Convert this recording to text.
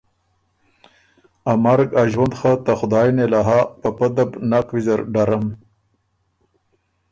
ا مرګ ا ݫوُند خه ته خدایٛ نېله هۀ په پۀ ده بو نک ویزر ډرم